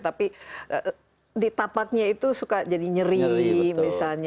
tapi di tapaknya itu suka jadi nyeri misalnya